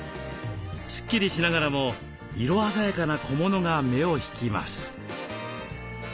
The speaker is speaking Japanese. すっきりしながらも色鮮やかな小物が目を引きます。